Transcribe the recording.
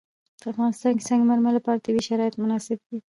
په افغانستان کې د سنگ مرمر لپاره طبیعي شرایط مناسب دي.